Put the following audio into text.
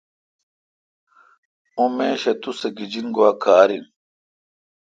اؙن میش توسہ گیجین گوا کار این۔